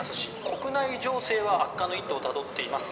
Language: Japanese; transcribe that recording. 国内情勢は悪化の一途をたどっています。